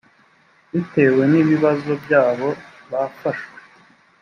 bitewe n ibibazo byabo bafashwe